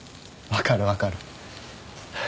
分かる分かる。